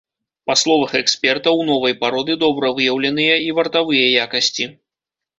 Па словах эксперта, у новай пароды добра выяўленыя і вартавыя якасці.